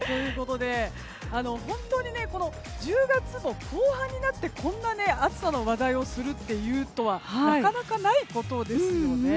本当に１０月の後半になってこんな暑さの話題をするというのはなかなかないことですよね。